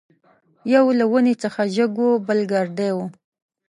یو له ونې څخه جګ وو بل ګردی وو.